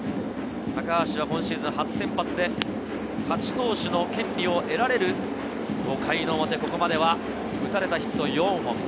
高橋は今シーズン初先発で勝ち投手の権利を得られる５回の表、ここまでは打たれたヒット４本。